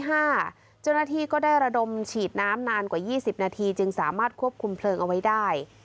เจ้าหน้าที่ก็ได้ระดมฉีดน้ำนานกว่า๒๐นาทีจึงสามารถควบคุมเพลิงเอาไว้ได้